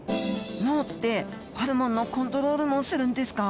脳ってホルモンのコントロールもするんですか？